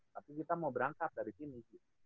tapi kita mau berangkat dari sini